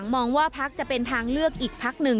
มองว่าพักจะเป็นทางเลือกอีกพักหนึ่ง